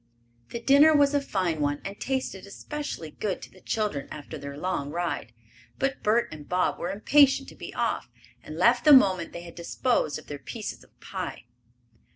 The dinner was a fine one and tasted especially good to the children after their long ride. But Bert and Bob were impatient to be off, and left the moment they had disposed of their pieces of pie.